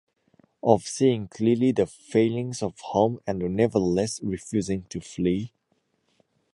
Of seeing clearly the failings of home and nevertheless refusing to flee?